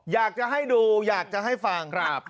อยากจะให้ดูอยากจะให้ฟัง